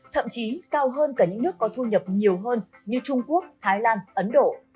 thậm chí cao hơn cả những nước có thu nhập nhiều hơn như trung quốc thái lan ấn độ